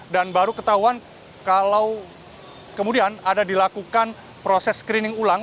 dan baru ketahuan kalau kemudian ada dilakukan proses screening ulang